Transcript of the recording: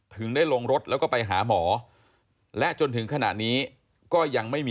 ถึงได้ลงรถแล้วก็ไปหาหมอ